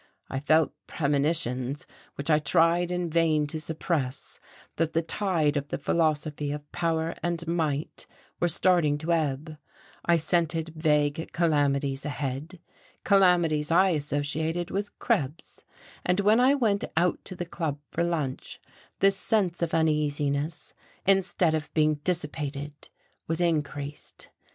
I felt premonitions, which I tried in vain to suppress, that the tide of the philosophy of power and might were starting to ebb: I scented vague calamities ahead, calamities I associated with Krebs; and when I went out to the Club for lunch this sense of uneasiness, instead of being dissipated, was increased.